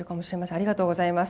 ありがとうございます。